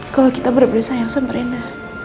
kalau kita bener bener sayang sama rina